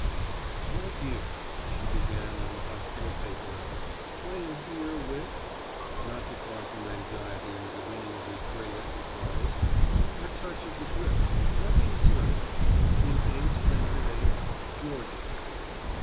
My dear, she began on the hospital paper, I am here with, not to cause him anxiety in the beginning of his great enterprise, _a touch of the grip. Nothing serious. In haste and headache. Georgia.